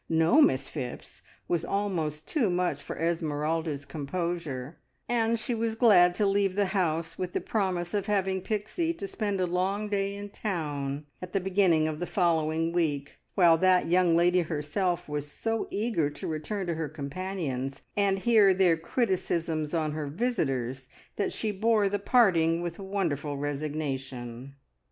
"No, Miss Phipps!" was almost too much for Esmeralda's composure, and she was glad to leave the house with the promise of having Pixie to spend a long day in town at the beginning of the following week, while that young lady herself was so eager to return to her companions and hear their criticisms on her visitors that she bore the parting with wonderful resignation.